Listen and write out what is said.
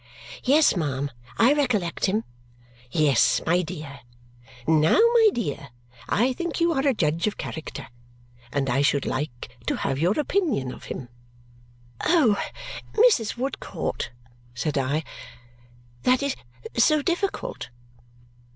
"Yes, ma'am. I recollect him." "Yes, my dear. Now, my dear, I think you are a judge of character, and I should like to have your opinion of him." "Oh, Mrs. Woodcourt," said I, "that is so difficult!"